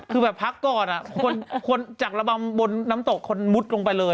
คือแบบพักก่อนคนจากระบำบนน้ำตกคนมุดลงไปเลย